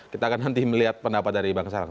kita akan nanti melihat pendapat dari bang sarah